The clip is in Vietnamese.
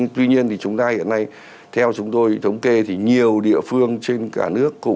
tuy nhiên thì chúng ta hiện nay theo chúng tôi thống kê thì nhiều địa phương trên cả nước